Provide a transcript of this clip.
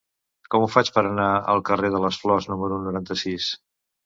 Com ho faig per anar al carrer de les Flors número noranta-sis?